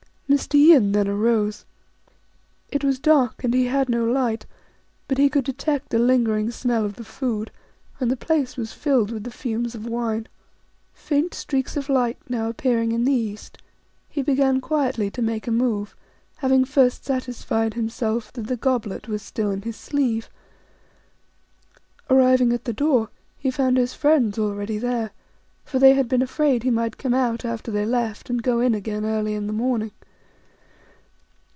Mr. Yin then arose. It was dark, and he had no light ; but he could detect the lingering smell of the food, and the place was filled with the fumes of wine. Faint streaks of light now appearing in the east, be began quietly to make a move, having first satisfied himself that the goblet was still in his sleeve. Arriving at the door, he found his friends already there ; for they had been afraid he might come out after they left, and go in again early in the morning.